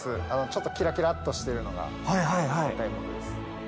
ちょっとキラキラっとしてるのがダイヤモンドです。